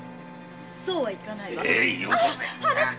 そうはいかないわ。